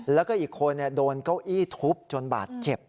แล้วก็อีกคนโดนเก้าอี้ทุบจนบาดเจ็บ